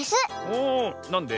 おなんで？